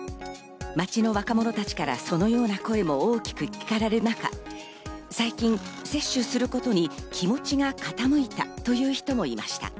街の若者たちからそのような声も大きく聞かれる中、最近、接種することに気持ちが傾いたという人もいました。